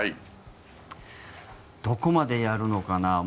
どこまでやるのかな